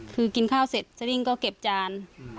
คือกินข้าวเสร็จสดิ้งก็เก็บจาน